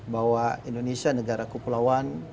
bahwa indonesia negara kepulauan